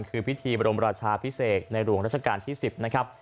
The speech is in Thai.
คือพิธีบรมราชาพิเศษในหลวงราชการที่๑๐นะครับ